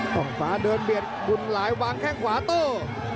ของฟ้าเดินเบียดหลายวางแค่งขวาตู้